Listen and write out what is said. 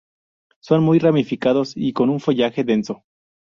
Son muy ramificados y con un follaje denso.